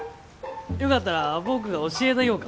よかったら僕が教えたぎょうか。